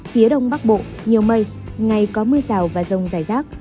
phía đông bắc bộ nhiều mây ngày có mưa rào và rông rải rác